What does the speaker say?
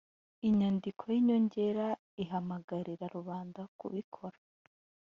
inyandiko y’inyongera ihamagarira rubanda kubikora